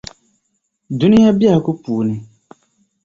Dunia bεhigu puuni.